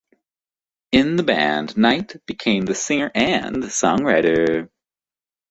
In the band, Knight became the singer and songwriter.